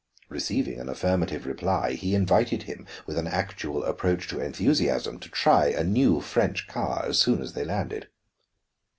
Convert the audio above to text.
Receiving an affirmative reply, he invited him, with an actual approach to enthusiasm, to try a new French car as soon as they landed.